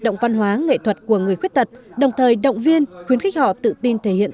động văn hóa nghệ thuật của người khuyết tật đồng thời động viên khuyến khích họ tự tin thể hiện